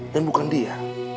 dan bukan dia